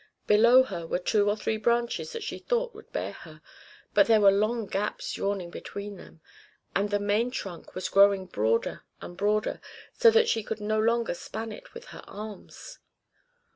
Below her were two or three branches that she thought would bear her, but there were long gaps yawning between them; and the main trunk was growing broader and broader, so that she could no longer span it with her arms.